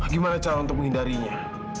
gimana cara untuk menghindarinya